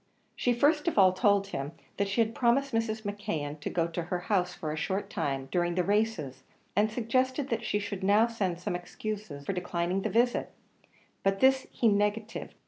She first of all told him that she had promised Mrs. McKeon to go to her house for a short time, during the races, and suggested that she should now send some excuse for declining the visit; but this he negatived.